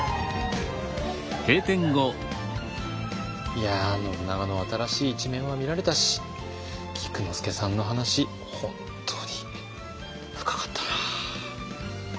いや信長の新しい一面は見られたし菊之助さんの話本当に深かったな。